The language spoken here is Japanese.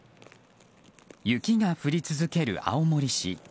雪が降り続ける青森市。